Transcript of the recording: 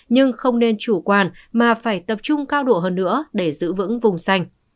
nhưng không nên chủ quan mà phải tập trung cao độ hơn nữa để giữ vững vùng xanh